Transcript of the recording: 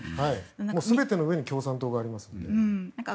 全ての上に共産党がありますから。